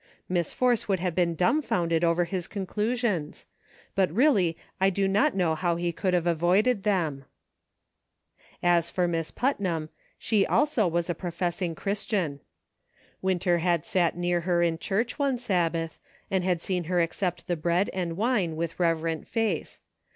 Miss Force would have been dumbfounded over his conclusions ; but really I do not know how he could have avoided them. As for Miss Putnam, she also was a professing 1 62 SAGE CONCLUSIONS. Christian, Winter had sat near her in church one Sabbath, and had seen her accept the bread and wine with reverent face.